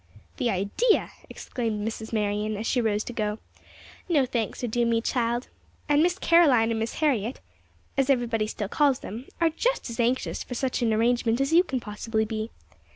"The idea!" exclaimed Mrs. Marion, as she rose to go. "No thanks are due me, child. And Miss Caroline and Miss Harriet, as everybody still calls them, are just as anxious for such an arrangement as you can possibly be.